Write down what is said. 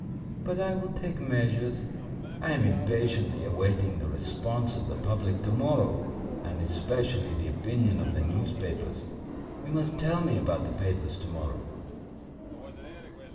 But I will take measures. I am impatiently awaiting the response of the public to morrow, and especially the opinion of the newspapers. You must tell me about the papers to morrow."